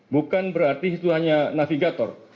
bukan berarti itu hanya navigator